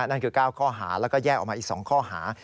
นั่นคือ๙ข้อหาแล้วก็แยกออกมาอีก๒ข้อหา